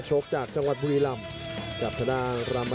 โหโหโหโหโหโหโหโหโหโหโหโหโหโห